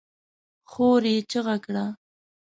خور يې چيغه کړه!